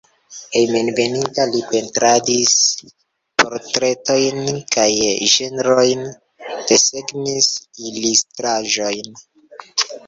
Hejmenveninta li pentradis portretojn kaj ĝenrojn, desegnis ilustraĵojn.